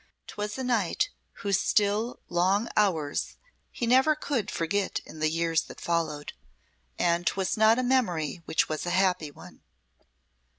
'Twas a night whose still long hours he never could forget in the years that followed, and 'twas not a memory which was a happy one.